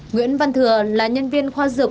nguyễn văn thừa là nhân viên khoa dược